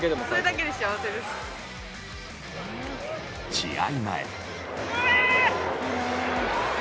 試合前。